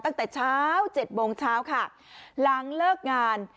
ตั้งแต่เช้าเจ็ดโมงเช้าค่ะหลังเลิกงาน